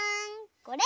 これ！